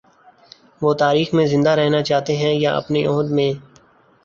وہ تاریخ میں زندہ رہنا چاہتے ہیں یا اپنے عہد میں؟